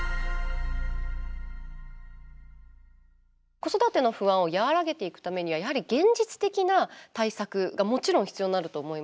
子育ての不安を和らげていくためにはやはり、現実的な対策がもちろん必要になると思います。